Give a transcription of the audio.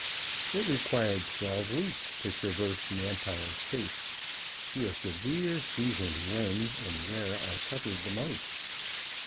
It required twelve weeks to traverse the Empire State, through a severe season when and where I suffered the most.